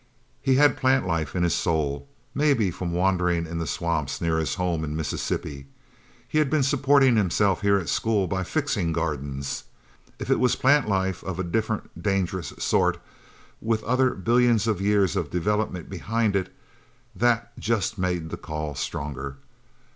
He had plant life in his soul, maybe from wandering in the swamps near his home in Mississippi. He had been supporting himself here at school by fixing gardens. If it was plant life of a different, dangerous sort, with other billions of years of development behind it, that just made the call stronger.